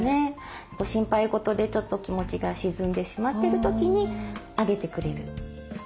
心配事でちょっと気持ちが沈んでしまってる時に上げてくれる。